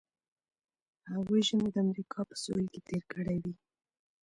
هغوی ژمی د امریکا په سویل کې تیر کړی وي